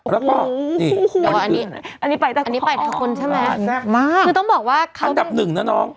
แล้วก็นี่อันนี้คืออันนี้ไปทักคนใช่ไหมคือต้องบอกว่าอันดับหนึ่งนะน้อง